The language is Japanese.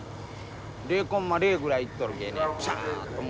０コンマ０ぐらいいっとるけえねピシャっともう。